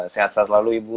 sehat sehat lalu ibu